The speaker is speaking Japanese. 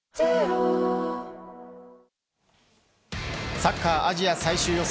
サッカーアジア最終予選